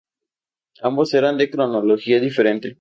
Ambos eran de cronología diferente.